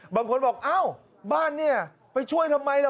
บางคนบอกอ้าวบ้านเนี่ยไปช่วยทำไมล่ะ